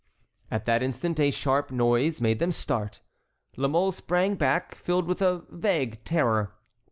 At that instant a sharp noise made them start. La Mole sprang back, filled with a vague terror.